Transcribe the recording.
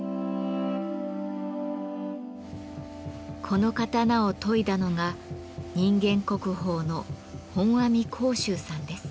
この刀を研いだのが人間国宝の本阿弥光洲さんです。